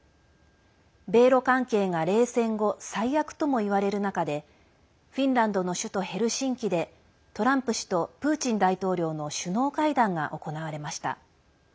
米ロ関係が冷戦後最悪とも言われる中でフィンランドの首都ヘルシンキでトランプ氏とプーチン大統領の首脳会談が行われました。